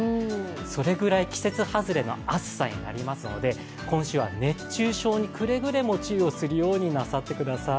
それくらい季節外れの暑さになりますので、今週は熱中症にくれぐれも注意をなさってください。